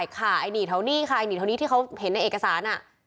ค่ะไอ้หนี่เท่านี้ค่ะไอ้หนี่เท่านี้ที่เขาเห็นในเอกสาร